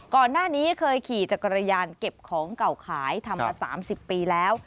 ก่อนหน้านี้เคยขี่จักรยานเก็บของเก่าขายทำมา๓๐ปีแล้ว